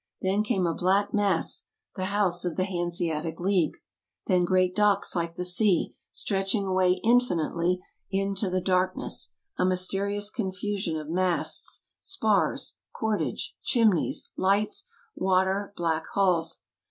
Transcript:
Then came a black mass — the house of the Hanseatic League. Then great docks like the sea, stretching away infinitely into the darkness, a mysterious confusion of masts, spars, cordage, chimneys, lights, water, black hulls.